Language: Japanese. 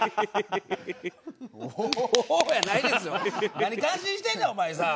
何感心してんねんお前さあ。